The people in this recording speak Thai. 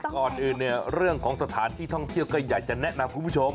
ก่อนอื่นเนี่ยเรื่องของสถานที่ท่องเที่ยวก็อยากจะแนะนำคุณผู้ชม